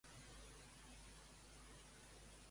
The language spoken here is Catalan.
A continuació pots veure el més destacat prop de Leiloio.